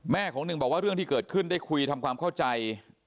ของหนึ่งบอกว่าเรื่องที่เกิดขึ้นได้คุยทำความเข้าใจ